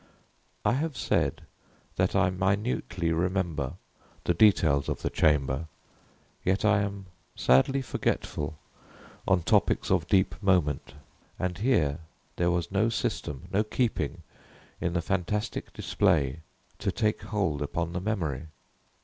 I have said, that I minutely remember the details of the chamber yet I am sadly forgetful on topics of deep moment; and here there was no system, no keeping, in the fantastic display to take hold upon the memory.